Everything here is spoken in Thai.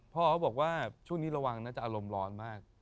พอเขาบอกว่าช่วงนี้ระวังหลมร้อนมาก